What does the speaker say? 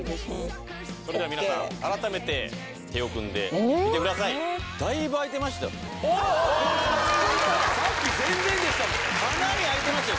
それでは皆さん改めて手を組んでみてくださいだいぶ空いてましたよ・あっついたさっき全然でしたもんかなり空いてましたよ